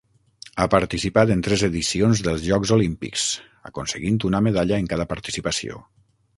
Ha participat en tres edicions dels Jocs Olímpics, aconseguint una medalla en cada participació.